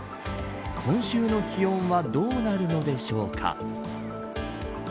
今週の気温はどうなるのでしょうか。